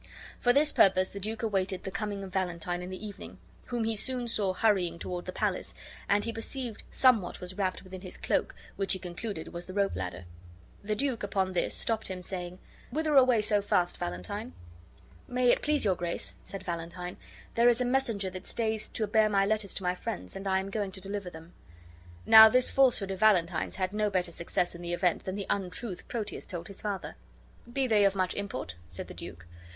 For this purpose the duke awaited the coming of Valentine in the evening, whom he soon saw hurrying toward the palace, and he perceived somewhat was wrapped within his cloak, which he concluded was the rope ladder. The duke, upon this, stopped him, saying, "Whither away so fast, Valentine?" "May it please your grace," said Valentine, "there is a messenger that stays to bear my letters to my friends, and I am going to deliver them." Now this falsehood of Valentine's had no better success in the event than the untruth Proteus told his father. "Be they of much import?" said the duke.